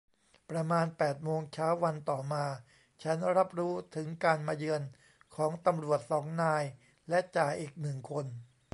ประมาณแปดโมงเช้าวันต่อมา ฉันรับรู้ถึงการมาเยือนของตำรวจสองนายและจ่าอีกหนึ่งคน